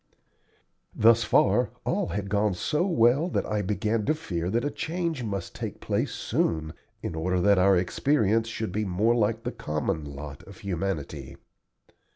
Thus far all had gone so well that I began to fear that a change must take place soon, in order that our experience should be more like the common lot of humanity.